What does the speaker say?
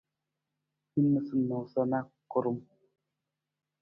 Hin noosanoosa na karam.